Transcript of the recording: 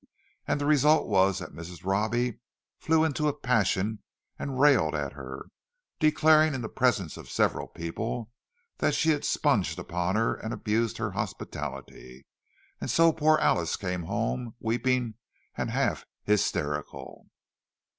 And the result was that Mrs. Robbie flew into a passion and railed at her, declaring in the presence of several people that she had sponged upon her and abused her hospitality! And so poor Alice came home, weeping and half hysterical.